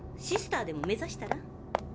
シスターでも目ざしたら？